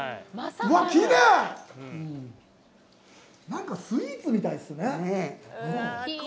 なんかスイーツみたいですね。